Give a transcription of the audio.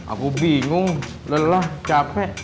aku bingung lelah capek